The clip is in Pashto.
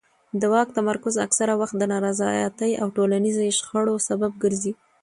د واک تمرکز اکثره وخت د نارضایتۍ او ټولنیزو شخړو سبب ګرځي